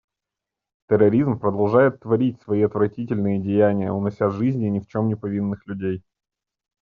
Терроризм продолжает творить свои отвратительные деяния, унося жизни ни в чем не повинных людей.